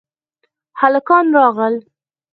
هلکان راغل